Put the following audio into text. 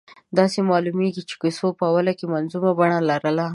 داسې معلومېږي چې کیسو په اوله کې منظومه بڼه لرله.